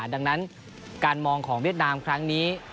ดังนั้นการมองของเวียดนามครั้งนี้